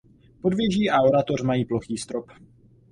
Podvěží a oratoř mají plochý strop.